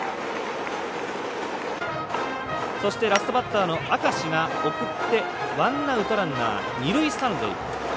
そして、ラストバッターの明石が送って、ワンアウト、ランナー二塁三塁。